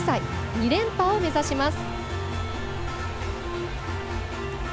２連覇を目指します。